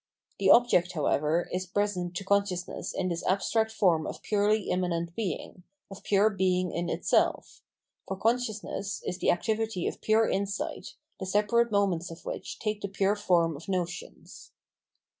The object, however, is present to consciousness in this abstract form of purely immanent being, of pure being in itself ; for consciousness is the activity of pure insight, the separate moments of which take the pure form of notions.